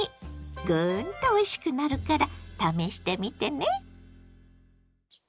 グーンとおいしくなるから試してみてね。